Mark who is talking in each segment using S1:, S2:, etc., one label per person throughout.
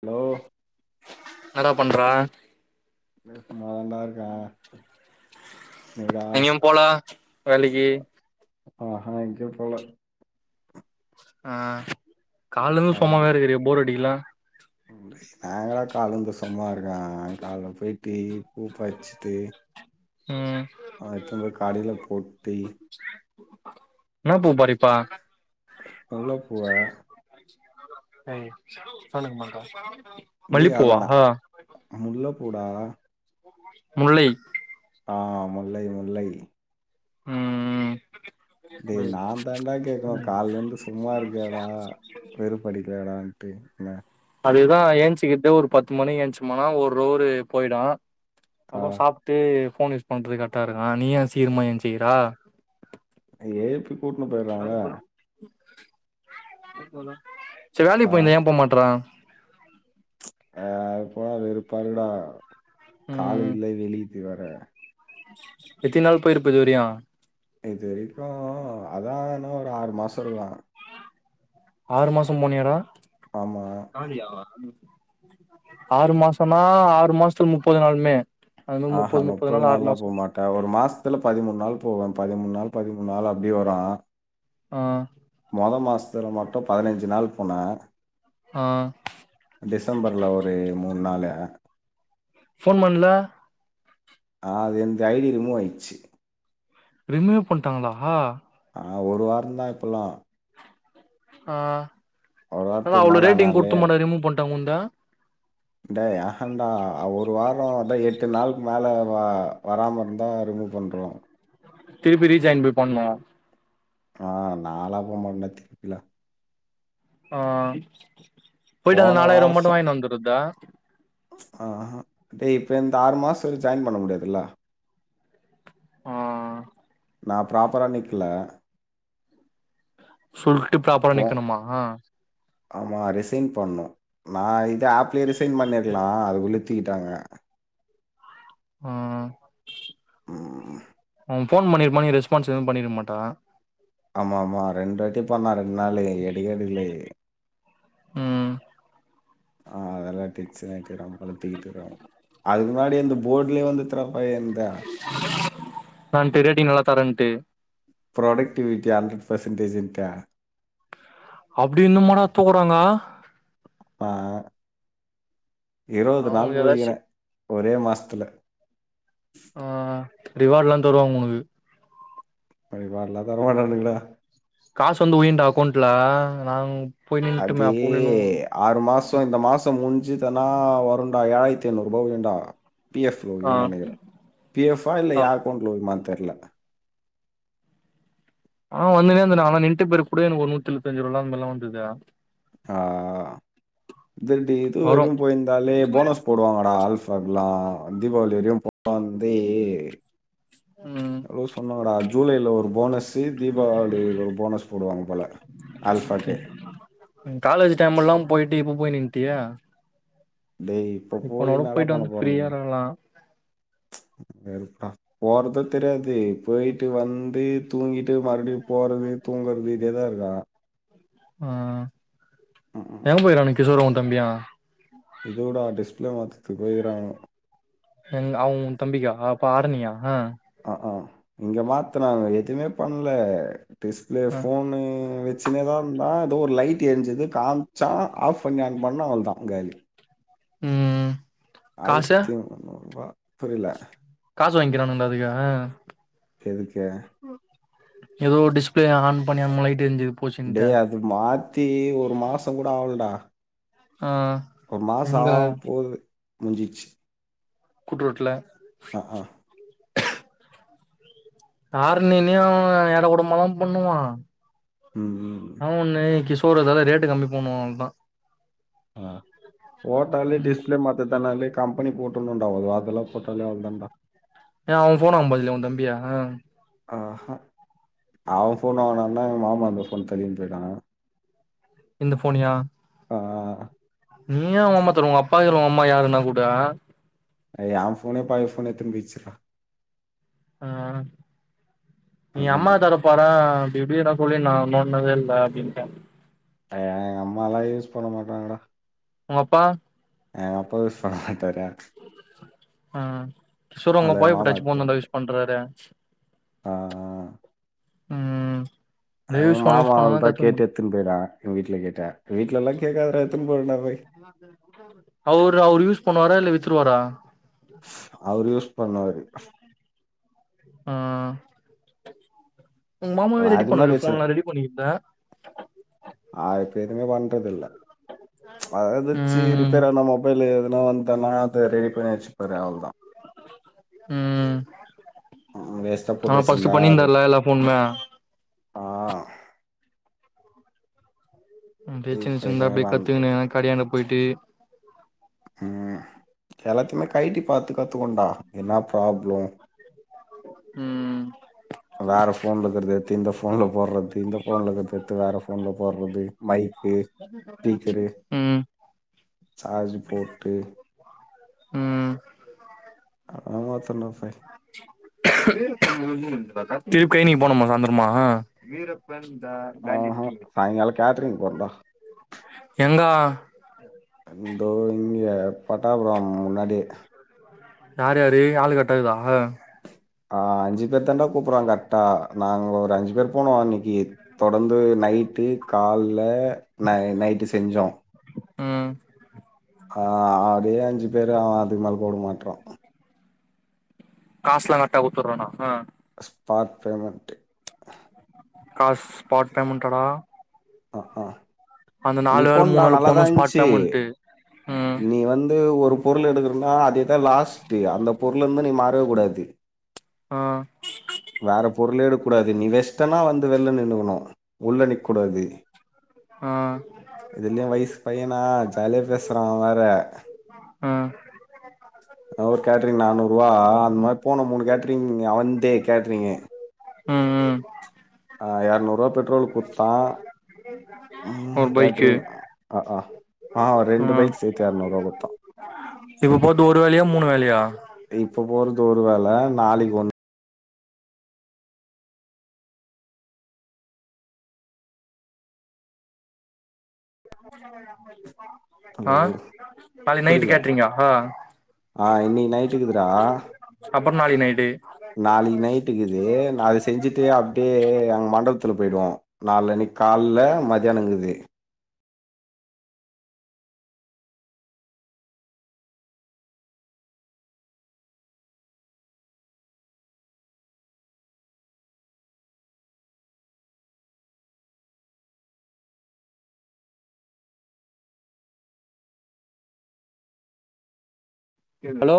S1: Hello
S2: இன்னாடா பண்ற
S1: வீட்லையே சும்மா தான்டா இருக்கே நீடா
S2: எங்கயு போல வேலைக்கி
S1: ஆ ஹா எங்கயு போல
S2: ஆ கால்ல இருந்து சும்மாவே இருக்குற போர் அடிக்கல
S1: நா எங்கடா கால்லேந்து சும்மா இருக்கே கால்ல போயிட்டு பூ பரிச்சிட்டு
S2: ம்
S1: அத எத்துனு போய் காலில போட்டு
S2: நா பூ பறிப்பா
S1: முல்ல பூவ
S2: ஏய் சொல்லுங்கமாக்கா
S1: டேய் அது நா முல்ல பூ டா
S2: முல்லை
S1: ஆ முல்லை முல்லை
S2: ம்ம்
S1: டேய் நாதான்டா கேக்கனு கால்ல இருந்து சும்மா இருக்யாடா வெறுப் படிக்கலடாண்ட்டு என்ன
S2: அதுதா ஏஞ்ச்சுக்கிட்டு ஒரு பத்து மணி ஏஞ்ச்சுமனா ஒரு ரோரு போயிடு
S1: ஆ
S2: அப்பறோ சாப் ட்டு ஃபோன் யூஸ் பண்றது கரெக்டா இருக்கு நீ ஏ சீக்ரமா ஏஞ்சுக்கிறா
S1: ஏ இப்பி
S2: சேரி வேலைக்கு
S1: ஆ
S2: போயிருந்த ஏ போ மாட்ற
S1: அ அங்க போனா வெறுப்பாருக்டா கால் வில்லே வெலிக்து வேற
S2: எத்து நாள் போயிருப்ப இதுவரியு
S1: இதுரைக்கு அதா எனா ஒரு ஆறு மாசொ இருக்கு
S2: ஆறு மாசம் போனியாடா
S1: ஆமா
S2: ஆறு மாசம்னா ஆறு மாசத்ல முப்பது நாளுமே அது மாரி முப்பது முப்பது நாள் ஆறு மாசோ
S1: கா ஒரு மாசத்துல பதிமூண் நாள் போவே பதிமூண் நாள் பதிமூண் நாள் அப்டி வரு
S2: ஆ
S1: மொதோ மாதத்துல மட்டு பதினஞ்சு நாள் போனே
S2: ஆ
S1: டிசம்பர்ல ஒரு மூண் நாள்
S2: ஃபோன் பண்ல
S1: ஆ அது எந்து ஐ டி ரிமூவ் ஆயிருச்சு
S2: ரிமூவே பண்ட்டாங்களா
S1: ஆ ஒரு வாரந்தா இப்பல்லா
S2: ஆ இவ
S1: வாரத்துக்கு
S2: அவ்ளோ
S1: மேல
S2: ரேட்டிங் குடுத்துமாடா ரிமூவ் பண்ட்டாங்க உந்த
S1: டே ஏன்டா அ ஒரு வாரோ அதா எட் ட்டு நாளைக்கு மேலே வ வராம இருந்தா ரிமூவ் பண்றுவ
S2: திருப்பி ரீஜாயின் பேய் பண்ணு
S1: ஆ நாலா போமாட்டண்டா திருப்பிலா
S2: ஆ போயிட்டு அந்த
S1: போன
S2: நாளாயிரூவா மட்டு வாங்கினு வந்துருடா
S1: ஆஹ டேய் இப்போ இந்த ஆறு மாசத்துல ஜாயின் பண்ண முடியாதுல்ல
S2: ஆ
S1: நா ப்ராப்பரா நிக்ல
S2: சொல்ட்டு ப்ராப்பரா
S1: போ
S2: நிக்கனுமா
S1: ஆமா ரிசைன் பண்ணு நா இது ஆப்லே ரிசைன் பண்ணிர்லா அதுக்குள்ளே தூக்கிட்டாங்க
S2: ம்
S1: ம்.
S2: அவ ஃபோன் பண்ணிருப்பா நீ ரெஸ்பான்ஸ் எதுவும் பண்ணிருக மாட்ட
S1: ஆமா ஆமா ரெண்டு வாட்டி பண்ணா ரெண்டு நாள் எடுக்கவே எடுக்லையே
S2: ம்
S1: ஆ அதெல்லா டென்ஷன் ஆய்ட்டுருக்கா போல தெரிதுடா அதுக்கு முன்னாடி இந்த போர்டலே வந்துட் த்திரபாய இந்தா
S2: நா திரி டி நல்லா தரன்ட்டு
S1: ப்ரோடக்டிவிட்டி ஹண்ரெட் பர்சன்டேஜ்ன்ட்ட
S2: அப்டி இந்துமாடா தூகுறாங்க
S1: ஆ இருவது
S2: அவங்க
S1: நாள்
S2: ஏதாச்சு
S1: போய்கிறே ஒரே மாஸ்த்துல
S2: ஆ ரிவாட்லா தருவாங்க உனுக்கு
S1: எனுக் ரிவாட்லா தரமாட்டானுங்டா
S2: காஸ் வந்து உயுண்டா அக்கோண்ட்ல நாங் போய் நின்ட்டுமே அப்
S1: ஆறு மாசோ இந்த மாசோ முடிஞ்சிதனா வருண்டா ஏழாயித்ஐநூரூபா உழுண்டா பி எஃப் ல
S2: ஆ
S1: உய்யோன்
S2: ஆ
S1: நனைக்றே பி எஃப் பா இல்ல எ அக்கொண்ட்ல உய்மான் தெர்ல
S2: ஆன வந்துனேந்தேன அவெநிண்ட்ட பெறக் கூட எனுக் ஒரு நூத்தெழுவுத்தஞ்ரூபால அந்மெர்லா வந்து தே
S1: ஆ தே இந்த இது
S2: வரு
S1: வெர்லு போயிர்ந்தாலே போனஸ் போடுவாங்கடா ஆல்ஃபாக்கலா தீபாவளி வெரியு போடு வந்தெ
S2: ம்
S1: ன்னாவோ சொன்னாங்கடா ஜூலைல ஒரு போனஸ் திரிப் தீபாவளில ஒரு போனஸ் போடுவாங்க போல ஆல்ஃபாக்கே
S2: ங் காலேஜ் டைம்முல்லா போயிட்டு இப்ப போய் நின்ட்டியா
S1: டேய் இப்ப போய் இன்னாட
S2: போயிட்டு
S1: போண்ண
S2: வந்து
S1: போறோ
S2: ஃப்ரீயா
S1: நம்ம
S2: இருக்கலா
S1: வெறுப்பா போறதோ தெரியாது போயிட்டு வந்து தூங்கிட் டு மறும்டி போறது தூங்கறது இதேதா இர்கா
S2: ஆ
S1: ம் ம்
S2: எங்க போய்றானுங்க கிஷோரு உ தம்பியு
S1: இதொடா டிஸ்ப்ளே மாத்தத்துக் போய்கிறாணுங்கொ
S2: எங் அவ உ தம்பிக்கா அப்ப ஆரணியா
S1: ஆ கா இங்கே மாத்னாங்கே எதுமே பண்லே டிஸ்பிளே
S2: ஆ
S1: ஃபோனு சின்னதாக இந்தா ஏதோ ஒரு லைட் எர்ஞ்சது காம்ச்சா ஆஃப் பண்ணி ஆன் பண்ணா அவுள்தா காலி
S2: ம் காசு
S1: ஆயித்தி முன்னூரூபா புரில
S2: காசு வாங்கிக்கிறானுங்லா அதுக்காக
S1: எதுக்க
S2: ஏதோ டிஸ்பிளே ஆன் பண்ணி அன்மே லைட்டு எரிஞ்சுது போச்சுன்ட்டு
S1: டேய் அது மாத்தி ஒரு மாசோ கூடோ ஆவுல்டா
S2: ஆ
S1: ஒரு மாசோ
S2: எங்க
S1: ஆவொ போது முஞ்சிச்சி
S2: கூட்ரோட்ல
S1: அக் கா
S2: ஆர்ணினே அவ ஏடாகுடமாதா பண்ணுவா
S1: உம் ம்
S2: இன்னா ஒண்ணு கிஷோர்தால ரேட்டு கம்மி பன்னுவா அவுள்தா
S1: ஆ போட்டாலே
S2: ம்
S1: டிஸ்ப்ளே மாத்தத்தானாலே கம்பெனி போட்டுன்னோட்டா ஒரு வேறெயுள்ள போட்டாலே அவுள்தாண்டா
S2: ஏ அவ ஃபோன் வாங்போதில்லியா உ தம்பிஅ
S1: ஆ ஹ அவெ ஃபோன் வாங்னான்னா எங்மாமா அந்த ஃபோன் தல்லிக்கின் போய்ட் வாங்க
S2: இந்த ஃபோனியா
S1: ஆ
S2: நீயா உங்கமா தரு உங்அப்பா உங்அம்மா யாருகுனா குடு
S1: அது ஏ ஃபோனே பழைய ஃபோனு எத்துன்போயிச்சிடா
S2: உம் நீ
S1: ம்.
S2: அம்மா தர ப்போறே அப்டிஇப்டி எத்னா சொல்லின்னோ நோன்னதே இல்ல அப்டின்டு
S1: ஆ எங்கம்மாலா யூஸ் பண்ண மாட்டாங்கடா
S2: உங்கப்பா
S1: எங்கப்பா யுஸ் பண்ண மாட்டாரே
S2: ஆ
S1: அதில
S2: செர்வங்கப்பாவே
S1: எங்க
S2: இப்ப
S1: மாமா
S2: டச்சு
S1: எடுத்துன்னு
S2: போனந்தா யூஸ்
S1: போயிட்டாரு.
S2: பண்றாரு
S1: ஆ ஆ
S2: உம்
S1: ஆ எங் மாமா அவ்வுள்தா கேட்டு எட்த்துன் பெய்டுவாங்க எங்த வீட்ல கேட்டு வீட்லல்லா கேக்காதடா எட்த்துன்னு போடா போய்
S2: அவுரு அவுரு யூஸ் பண்ணுவாரா இல்ல வித்ருவாரா
S1: அவரு யூஸ் பண்ணுவாரு
S2: ஆ உங்க மாமாவே
S1: நான்
S2: ரெடி
S1: அதுக்கு
S2: பண்ணுவாரு
S1: முன்னாடி வச்சிருந்தேன்.
S2: போன்லா ரெடி பண்ணிட்ருந்தே
S1: ஆ இப்ப எதுமே பண்றதில்ல அ எதாச்சு
S2: ம்
S1: ரிப்பேர்ரானா மொபைல் எதுனா வந்துதுனா அத ரெடி பண்ணி வச்சுப்பாரு அவ்வுள்தா
S2: ம்
S1: வேஸ்ட்டா போட்டு
S2: ஆமா ஃபர்ஸ்ட்
S1: வச்சிந்தா அது
S2: பண்ணியிருந்தாருல எல்லா போனுமே
S1: ஆ
S2: அப்டியே சின்ன
S1: இப்ப
S2: சின்னதா
S1: எதுவுமே
S2: அப்டியே
S1: பண்றது
S2: கத்துக்குனு
S1: கிடையாது
S2: கடயாண்ட பொய்ட்டு
S1: ம் எல்லாத்யுமே கைட்டி பாத்து கத்துக்கோண்டா இது என்ன ப்ராப்ளோ
S2: ம்
S1: வேற போன்ல இருக்றத எட்த்து இந்த போன்ல போட்றது இந்த போன்ல இருக்றத எட்த்து வேற போன்ல போட்றது மை க்கு ஸ்பீக்கரு
S2: ம்
S1: சார்ஜ் போட்டு
S2: ம்
S1: ஆமா தொன்னஃபை
S2: திருப்யு நீங்க போனும்மா சாய்ந்தரமா
S1: ஆஹ சாய்ங்காலோ கேட்ரிங் போறண்டா
S2: எங்கா
S1: இந்தோ இங்க பட்டாபுரம் முன்னாடி
S2: யார்யாரு ஆளு கர்ட்டாஇருக்குதா
S1: அ அஞ்சு பேர்தாடா கூப்புறா கர்ட்டா நாங்க ஒரு அஞ்சு பேர் போனோ அன்னைக்கு தொடர்ந்து நைட்டு கால்ல ந நைட்டு செஞ்சோ
S2: ம்
S1: அ அதே அஞ்சு பேரு அவ அதுக் மேல கூப்டமாட்றா
S2: காஸ்ல்லா கர்ட்டா குட்த்துற்றானா
S1: spot payment
S2: cash spot payment டாடா
S1: அ அ
S2: நாலு வேல
S1: நிப்போன்டா
S2: மூணு வேல
S1: நல்லாதா
S2: போட்ணு ஸ்பாட்
S1: இருன்ச்சு
S2: பேமெண்ட்டு ம்
S1: நீ வந்து ஒரு பொருள எடுக்குறனா அதேதா லாஸ்ட்டு அந்த பொருளருந்து நீ மாறவேகூடாது
S2: ஆ
S1: வேற பொருளே எடுக்கூடாது நீ வெஸ்டனா வந்து வெளில நின்னுக்கனு உள்ள நிக்ககூடாது
S2: ஆ
S1: இதுலியு வயஸ்ஸூ பையனா ஜாலியா பேச்றா அவ வேற
S2: ஆ
S1: அவுர் கேட்ரிங் நானூருவா அந்மாரி போனோ மூணு கேட்ரிங் அவுன்ந்தே கேட்ரிங்கு
S2: ம் ம்
S1: எரநூற்றுவா பெட்ரோலுக்கு குட்த்தா மூணு
S2: ஒரு பைக்கு
S1: கேட்ரிங் அ அ ஆ ரெண்டு
S2: ம்
S1: பைக் சேத்து எர்நூறுவா குட்த்தா
S2: இப்ப போறது ஒரு வேலயா மூணு வேலயா
S1: டே இப்போ போறது ஒரு வேல நாளைக்கு ஒன்
S2: [unintelligible]
S1: ஹலோ
S2: நாளைக்கு நைட்டு
S1: புரில
S2: கேட்றீங்கா
S1: ஆ இன்னைக்கு நைட்டுக்குதுரா
S2: அப்பற்றோ நாளைக் நைட்டு
S1: நாளைக்கு நைட்டுக்குது அத செஞ்சுட்டு அப்டியே அங்க மண்டபத்துல பொயிடுவோ நாள்ல அன்னைக்கு கால்ல மத்யானோ இக்குது
S2: ஏ ஹலோ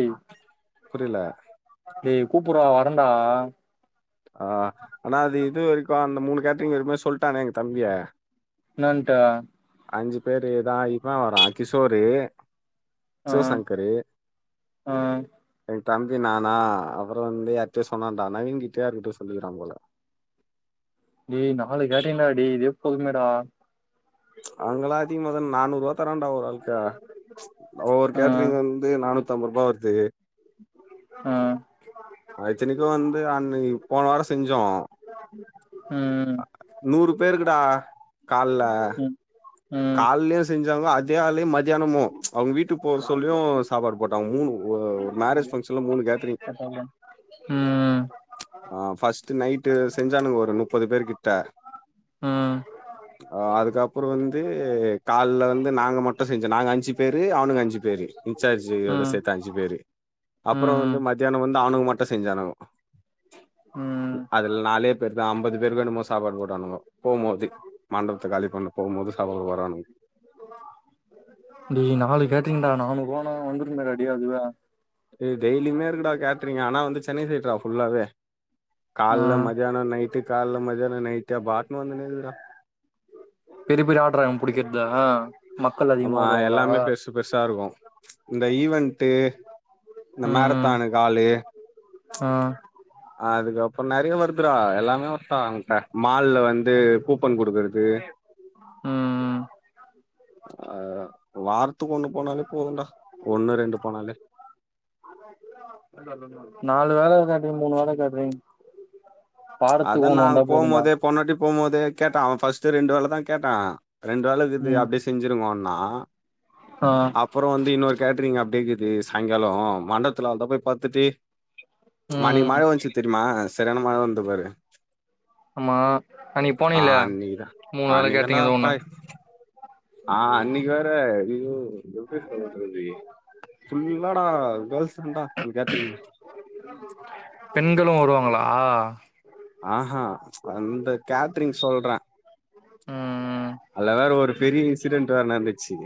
S2: ஏய்
S1: புரியல
S2: ஏய் கூப்ட்றா வர்றேன்டா
S1: ஆ ஆனா அது இது வரைக்கு அந்த மூணு கேட்ரிங் எதுமே சொல்லிடானே எங்க தம்பி
S2: என்னன்ட்டு
S1: அஞ்சி பேரு தா இவே வர்றா கிஷோரு
S2: ஆ
S1: சிவசங்கரு
S2: ஆ
S1: ரெண் தம்பி நானா அப்பறோ வந்து யார்ட்டயோ சொன்னான்டா நவீன் கிட்டயோ யார்க்கிட்டயோ சொல்லிக்கிறா போல
S2: டேய் நாலு கேட்ரிங்டா டேய் இதுவே போதுமேடா
S1: அவுங்கெல்லா அதிகமாதான நானூறு ரூவா தர்றான்டா ஒரு ஆளுக்கு ஒரு
S2: ஆ
S1: கேட்டரிங் வந் து நானூத் அம்பது ரூபா வருது
S2: ம்
S1: ஆ இத்தனைக்கு வந்து அன்னக்கி போன வாரோ செஞ்சோ
S2: ம்
S1: நூறு பேருக்குடா கால்ல
S2: ம் ம்
S1: கால்லயே செஞ்சாங்க அது அதே ஆளு மதியானமு அவங்க வீட்டுக்கு போற சொல்லியு சாப்பாடு போட்டாங்க மூணு ஒரு மேரேஜ் பங்க்ஷன்ல மூணு கேட்ரிங்
S2: எப்பவுமே ம் ம்
S1: ஆ ஃபர்ஸ்ட் நைட்டு செஞ்சானுங்க ஒரு முப்பது பேரு கிட்ட
S2: ம்
S1: அ அதுக்கப்பறோ வந் து கால்ல வந்து நாங்க மட்டு செஞ்சோ நாங்க அஞ்சி பேரு அவனுங்க அஞ்சி பேரு சரி செய்றவறோட
S2: ம்
S1: சேத்து அஞ்சி பேரு அப்பறோ வந்து
S2: ம்
S1: மத்தியானோ வந்து அவனுங்க மட்டு செஞ்சானுங்கோ ம் அது இதுல நாலே பேரு தா அம்பது பேருக்கோ என்னமோ சாப்பாடு போட்டானுங்க போகும்போது மண்டபத்த காலி பண்ண போகும்போது அவரு வராணுங்க
S2: டேய் நாலு கேட்ரிங்டா நானூரூவான்னா வந்துருங்கடா டேய் அதுவே
S1: டேய் டெய்லியுமே இருக்குடா கேட்டரிங் ஆனா வந்து சென்னை சைட்ரா ஃபுல்லாவே
S2: ஆ
S1: கால்ல மதியானோ நைட்டு கால்ல மதியானோ நைட்டு் அது பாட்ன்னு வந்துன்னு இருக்குதுக்கடா
S2: பெரிய பெரிய ஆர்டரா அவுங்க பிடிக்கறதா மக்கள் அதிகமா
S1: ஆமா
S2: வருவாங்களா
S1: எல்லாமே பெருசு பெருசா இருக்கு இந்த ஈவெண்ட்டு இந்த
S2: ம் ம்
S1: மாரத்தானுக்கு ஆளு
S2: ஆ
S1: அதுக்கப்பறோ நெறைய வருதுறா எல்லாமே வரட்டு மால்ல வந்து கூப்பன் குடுக்குற து
S2: ம் ம்
S1: ஆ வாரத்துக்கு ஒண்ணு போனாலே போதுண்டா ஒண்ணு ரெண்டு போனாலே
S2: நாலு வேல கேட்டரிங் மூணு வேல கேட்ரிங் வாரத்துக்கு ஒண்ணு வந்தா போதுண்டா
S1: போன வாட்டி போம் போது கேட்டா அவே ஃபர்ஸ்ட் ரெண்டு வேலதா கேட்டா ரெண்டு வேல இருக்குது
S2: ம்
S1: அப்டியே செஞ்சிருங்கோன்னா
S2: ஆ
S1: அப்பறோ வந்து இன்னொரு கேட்ரிங் அப்டேக்குது சாயங்காலோ மண்டபத்துல அங்க போய் பாத்துட்டு அன்னக்கி
S2: ம்
S1: மழ வந்துச்சி தெரியுமா சரியான மழை வந்தது பாரு
S2: ஆமா அன்னக்கி
S1: ஆ
S2: போனில்ல
S1: அன்னைக்குதான்
S2: மூணு வேல
S1: அன்னைக்குதான்டா
S2: கேட்ரிங்ல ஒண்ணு
S1: பாய் ஆ அன்னிக்கி வேற அய்யய்யோ எப்டி சொல்றது ஃபுல்லாடா கேள்ஸ்தான்டா அந்த கேட்ரீங்ள
S2: பெண்களு வருவாங்களா
S1: ஆ ஆ அந்த கேட்ரிங் சொல்ற
S2: ம் ம்
S1: அதுல வேற ஒரு பெரிய இன்சிடென்ட் வேற நடந்துச்சு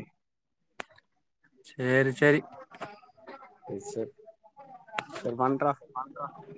S2: சேரி செரி
S1: எ செர் செரி பண்றா
S2: பண்றா